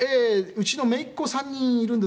「うちの姪っ子３人いるんですけども」